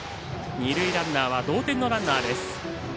二塁ランナーは同点のランナーです。